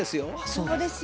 そうですか。